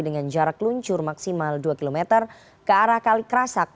dengan jarak luncur maksimal dua km ke arah kalikrasak